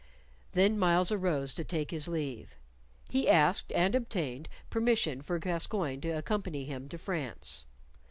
Then Myles arose to take his leave. He asked and obtained permission for Gascoyne to accompany him to France.